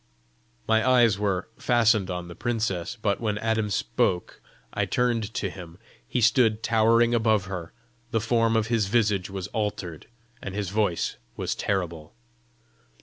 My eyes were fastened on the princess; but when Adam spoke, I turned to him: he stood towering above her; the form of his visage was altered, and his voice was terrible.